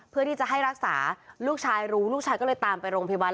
เพื่อที่จะให้รักษาลูกชายรู้ลูกชายก็เลยตามไปโรงพยาบาล